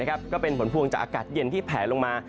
ก็เป็นผลพวงจากอากาศเย็นที่แผลลงมา